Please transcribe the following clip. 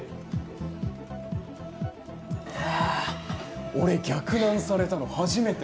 あぁ俺逆ナンされたの初めて。